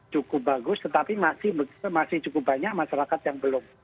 cukup bagus tetapi masih cukup banyak masyarakat yang belum